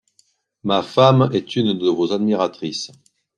Ma femme est une de vos admiratrices.